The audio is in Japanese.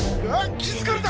気付かれた！